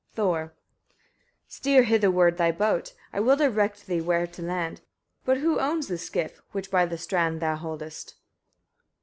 Thor. 7. Steer hitherward thy boat; I will direct thee where to land. But who owns this skiff, which by the strand thou holdest?